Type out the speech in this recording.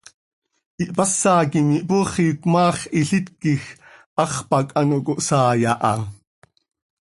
Ihpásaquim ihpooxi, cmaax hilít quij hax pac ano cohsaai aha.